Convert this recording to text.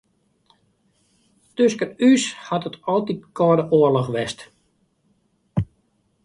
Tusken ús hat it altyd kâlde oarloch west.